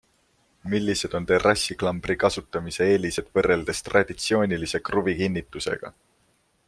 Millised on terrassiklambri kasutamise eelised võrreldes traditsioonilise kruvikinnitusega?